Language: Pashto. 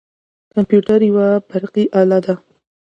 کمپیوتر یوه برقي اله ده.